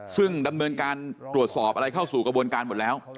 ซึ่งดำเนินการตรวจสอบอะไรเข้าสู่กระบวนการหมดแล้ว